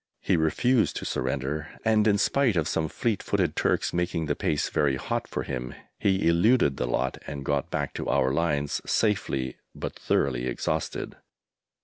He refused to surrender, and, in spite of some fleet footed Turks making the pace very hot for him, he eluded the lot and got back to our lines safely, but thoroughly exhausted.